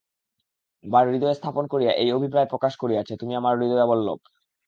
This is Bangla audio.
আর হৃদয়ে স্থাপন করিয়া এই অভিপ্রায় প্রকাশ করিয়াছে, তুমি আমার হৃদয়বল্লভ।